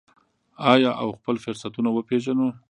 آیا او خپل فرصتونه وپیژنو؟